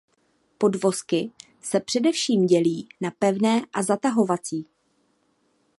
Podvozky se především dělí na pevné a zatahovací.